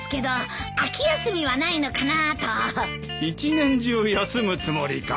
一年中休むつもりか！